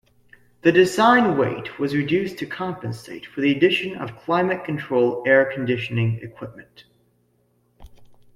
The design weight was reduced to compensate for the addition of climate-control air-conditioning equipment.